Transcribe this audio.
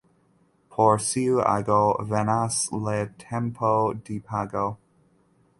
Por ĉiu ago venas la tempo de pago.